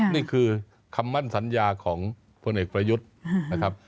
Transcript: นี่คือคำมั่นสัญญาของพลเอกประยุทธ์นะครับ